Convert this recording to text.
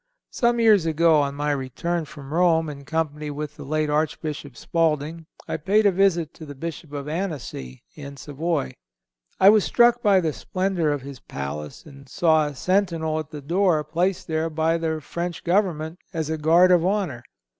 Some years ago, on my return from Rome, in company with the late Archbishop Spalding I paid a visit to the Bishop of Annecy, in Savoy. I was struck by the splendor of his palace and saw a sentinel at the door, placed there by the French government as a guard of honor.